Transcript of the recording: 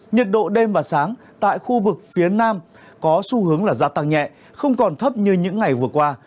nhiệt độ đêm và sáng tại khu vực phía nam có xu hướng là gia tăng nhẹ không còn thấp như những ngày vừa qua